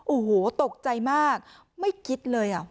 โอ้โหตกใจมากไม่คิดเลย